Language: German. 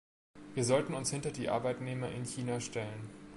Wir sollten uns hinter die Arbeitnehmer in China stellen.